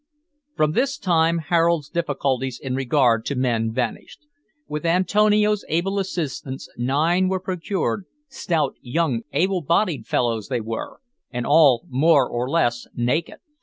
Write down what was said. From this time Harold's difficulties in regard to men vanished. With Antonio's able assistance nine were procured, stout, young, able bodied fellows they were, and all more or less naked.